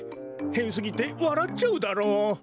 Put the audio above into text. へんすぎてわらっちゃうダロ。